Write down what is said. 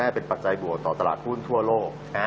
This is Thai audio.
เป็นปัจจัยบวกต่อตลาดหุ้นทั่วโลก